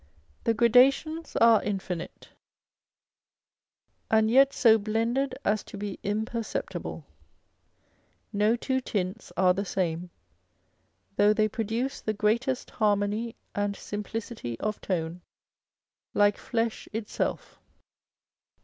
The gradations are infinite, and yet so blended as to be imperceptible. No two tints are the same, though they produce the greatest harmony and simplicity of tone, like flesh itself.